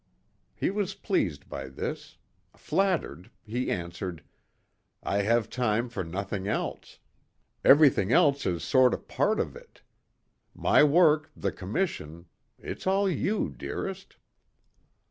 He was pleased by this. Flattered, he answered: "I have time for nothing else. Everything else is sort of part of it. My work, the commission it's all you, dearest."